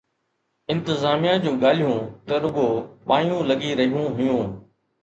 انتظاميا جون ڳالهيون ته رڳو وايون لڳي رهيون هيون